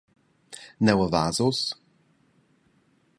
Nua vas ussa?